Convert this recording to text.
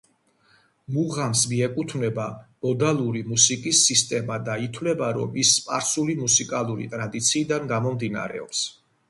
მუღამს მიეკუთვნება მოდალური მუსიკის სისტემა და ითვლება, რომ ის სპარსული მუსიკალური ტრადიციიდან გამომდინარეობს.